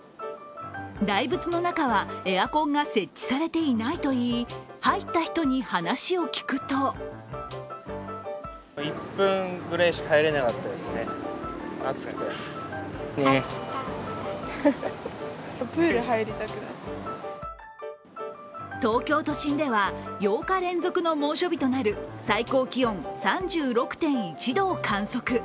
大仏の中はエアコンが設置されていないといい、入った人に話を聞くと東京都心では８日連続の猛暑日となる最高気温３６．１度を観測。